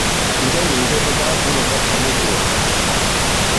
Njɛ nì njɛ ɓa ɓaa-bwě là ɓa pà i mutōwà?